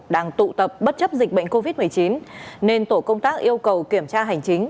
đang tụ tập bất chấp dịch bệnh covid một mươi chín nên tổ công tác yêu cầu kiểm tra hành chính